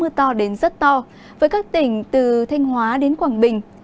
mưa to đến rất to với các tỉnh từ thanh hóa đến quảng bình